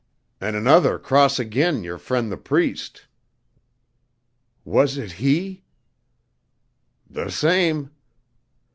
"An' another cross agin yer fren' the Priest." "Was it he?" "Th' same."